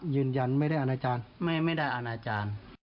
ยืนยันไม่ได้อนาจารย์ไม่ได้อาณาจารย์